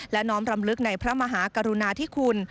และน้อมรำลึกในพระมหากรุณาธิคุณ